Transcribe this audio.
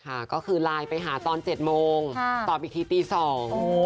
ค่ะก็คือไลน์ไปหาตอนเจ็ดโมงค่ะตอบอีกทีตีสอง